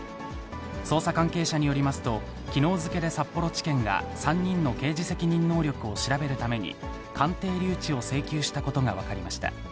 捜査関係者によりますと、きのう付けで札幌地検が３人の刑事責任能力を調べるために、鑑定留置を請求したことが分かりました。